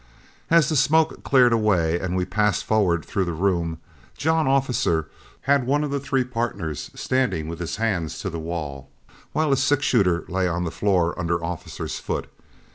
As the smoke cleared away and we passed forward through the room, John Officer had one of the three pardners standing with his hands to the wall, while his six shooter lay on the floor under Officer's foot.